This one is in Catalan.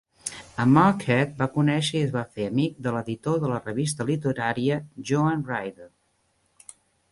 A Marquette va conèixer i es va fer amic de l'editor de la revista literària Joanne Ryder.